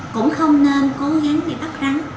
cũng không nên cố gắng bị bắt rắn